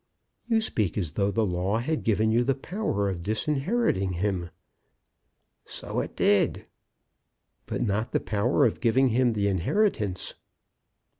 "You speak as though the law had given you the power of disinheriting him." "So it did." "But not the power of giving him the inheritance."